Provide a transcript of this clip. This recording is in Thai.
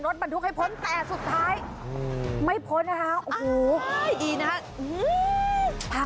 รถเก่งมาแล้วค่ะพยายามจะแซงซ้ายแต่